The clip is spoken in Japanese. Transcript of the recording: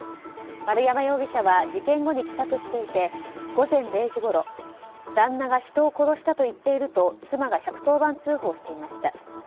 丸山容疑者は事件後に帰宅していて午前０時ごろ旦那が人を殺したと言っていると妻が１１０番通報していました。